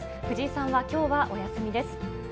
藤井さんはきょうはお休みです。